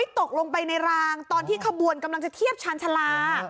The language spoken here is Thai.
ตกลงไปในรางตอนที่ขบวนกำลังจะเทียบชาญชาลา